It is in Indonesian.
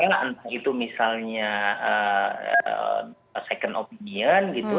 entah itu misalnya second opinion gitu